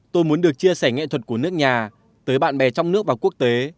tôi muốn được chia sẻ nghệ thuật của nước nhà tới bạn bè trong nước và quốc tế